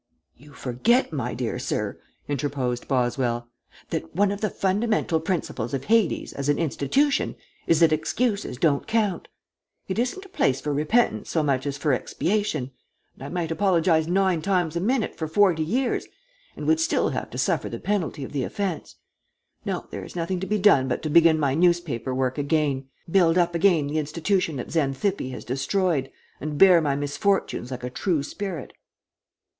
"You forget, my dear sir," interposed Boswell, "that one of the fundamental principles of Hades as an institution is that excuses don't count. It isn't a place for repentance so much as for expiation, and I might apologize nine times a minute for forty years and would still have to suffer the penalty of the offence. No, there is nothing to be done but to begin my newspaper work again, build up again the institution that Xanthippe has destroyed, and bear my misfortunes like a true spirit."